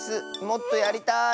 もっとやりたい！